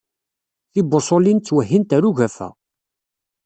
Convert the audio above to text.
Tibuṣulin ttwehhint ɣer ugafa.